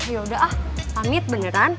yaudah ah pamit beneran